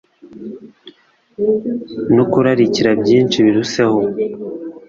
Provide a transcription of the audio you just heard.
no kurarikira byinshi biruseho